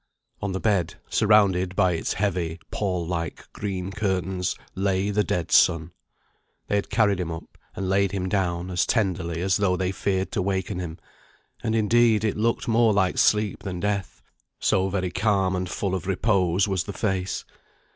On the bed, surrounded by its heavy, pall like green curtains, lay the dead son. They had carried him up, and laid him down, as tenderly as though they feared to waken him; and, indeed, it looked more like sleep than death, so very calm and full of repose was the face.